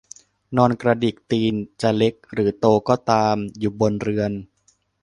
นอนกระดิกตีนจะเล็กหรือโตก็ตามอยู่บนเรือน